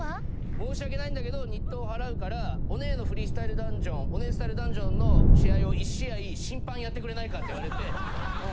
申し訳ないんだけど日当払うからオネエのフリースタイルダンジョンオネエスタイルダンジョンの試合を。って言われて。